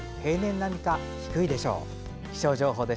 並みか低いでしょう。